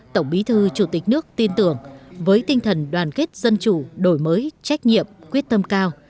tổng bí thư chủ tịch nước tin tưởng với tinh thần đoàn kết dân chủ đổi mới trách nhiệm quyết tâm cao